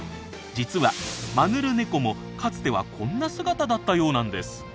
実はマヌルネコもかつてはこんな姿だったようなんです。